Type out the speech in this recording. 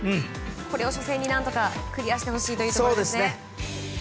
これを初戦にクリアしてほしいところですね。